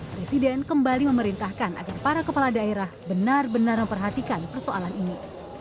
presiden kembali memerintahkan agar para kepala daerah benar benar memperhatikan persoalan ini